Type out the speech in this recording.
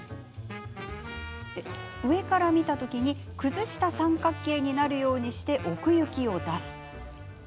上から見た時崩した三角形になるようにして奥行きを出す。